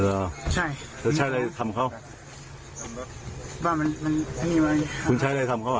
ใช่แล้วใช่อะไรทำเขาว่ามันมันไม่มีอะไรคุณใช้อะไรทำเขาอ่ะ